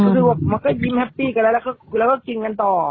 รู้สึกว่ามันก็ยิ้มแฮปปี้กันแล้วแล้วก็กินกันต่อ